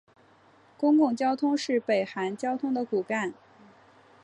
公共交通是北韩交通的骨干。